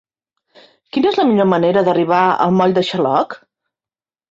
Quina és la millor manera d'arribar al moll de Xaloc?